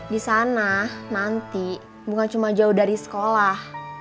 di sana nanti bukan cuma jauh dari sekolah